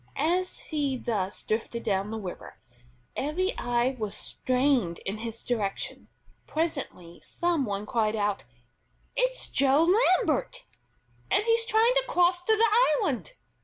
As he thus drifted down the river, every eye was strained in his direction. Presently some one cried out: "It's Joe Lambert; and he's trying to cross to the island!"